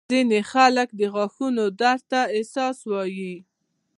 ځینې خلک د غاښونو درد ته حساس وي.